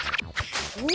お。